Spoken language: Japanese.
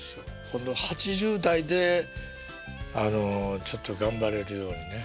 この８０代であのちょっと頑張れるようにね。